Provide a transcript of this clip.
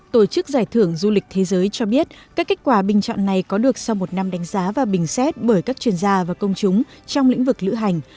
tổ chức giải thưởng du lịch thế giới cho biết các kết quả bình chọn này có được sau một năm đánh giá và bình xét bởi các chuyên gia và công chúng trong lĩnh vực lữ hành